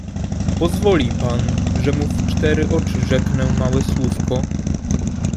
"Pozwoli pan, że mu w cztery oczy rzeknę małe słówko."